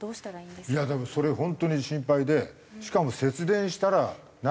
いやだからそれ本当に心配でしかも節電したら何？